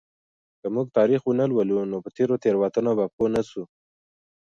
که موږ تاریخ ونه لولو نو په تېرو تېروتنو به پوه نسو.